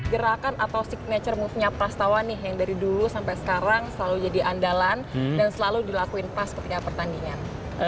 gerakan atau signature move nya prastawa nih yang dari dulu sampai sekarang selalu jadi andalan dan selalu dilakuin pas ketika pertandingan